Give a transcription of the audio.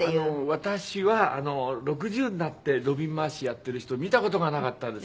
私は６０になって土瓶回しやっている人見た事がなかったです。